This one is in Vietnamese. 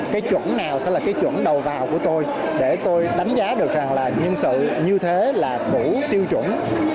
cái chuẩn nào sẽ là cái chuẩn đầu vào của tôi để tôi đánh giá được rằng là nhân sự như thế là đủ tiêu chuẩn